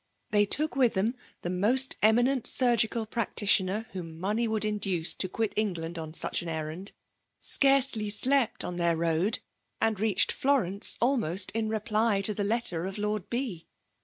They took with them the most eminent surgical practitioner whom money would induce to qpit En^end on such an errand; scarcdy tlept ob theii road ; and reached Florence, almost in r#pl;f to the letter of Lord B.